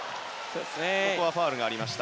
ファウルがありました。